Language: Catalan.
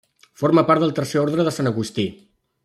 Forma part del Tercer Orde de Sant Agustí.